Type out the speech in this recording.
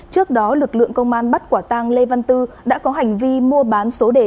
trước đó lực lượng công an bắt quả tang lê văn tư đã có hành vi mua bán số đề